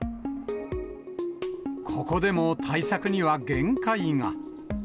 ここでも対策には限界が。